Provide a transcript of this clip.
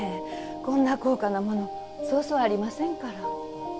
こんな高価なものそうそうありませんから。